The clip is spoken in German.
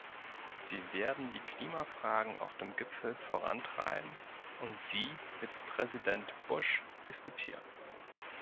Wir werden die Klimafragen auf dem Gipfel vorantreiben und sie mit Präsident Bush diskutieren.